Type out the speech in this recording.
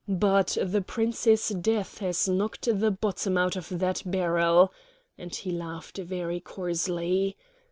But the Prince's death has knocked the bottom out of that barrel," and he laughed very coarsely.